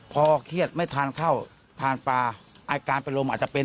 พอเครียดไม่ทานข้าวทานปลาอาการเป็นลมอาจจะเป็น